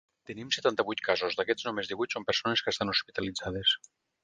Tenim setanta-vuit casos, d’aquests només divuit són persones que estan hospitalitzades.